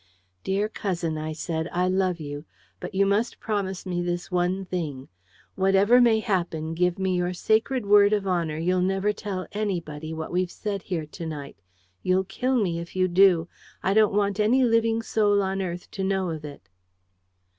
"Dear cousin," I said, "I love you. But you must promise me this one thing. Whatever may happen, give me your sacred word of honour you'll never tell anybody what we've said here to night. You'll kill me if you do. I don't want any living soul on earth to know of it."